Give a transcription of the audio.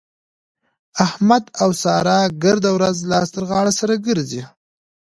احمد او سارا ګرده ورځ لاس تر غاړه سره ګرځي.